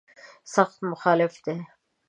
سخت مخالف دی.